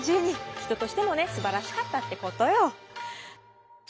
人としてもねすばらしかったってことよ。